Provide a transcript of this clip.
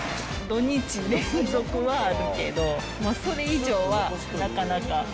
土日連続はあるけど、それ以上はなかなか。